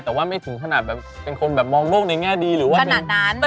แต่ว่าไม่ถึงขนาดแบบเป็นคนแบบมองโลกในแง่ดีหรือว่าขนาดนั้น